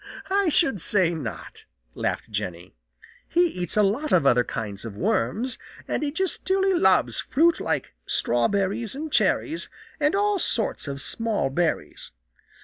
"I should say not," laughed Jenny. "He eats a lot of other kinds of worms, and he just dearly loves fruit like strawberries and cherries and all sorts of small berries.